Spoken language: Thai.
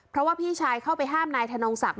เพราะว่าพี่ชายเข้าไปห้ามนายธนงศักดิ